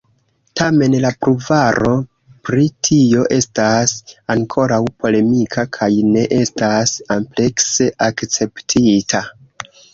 Tamen, la pruvaro pri tio estas ankoraŭ polemika kaj ne estas amplekse akceptita.